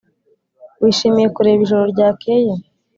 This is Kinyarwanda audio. wishimiye kureba ijoro ryakeye?